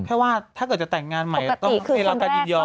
แค่ว่าถ้าเกิดจะแต่งงานใหม่ต้องต้องต้องต้องต้องต้อง